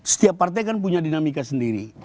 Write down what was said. setiap partai kan punya dinamika sendiri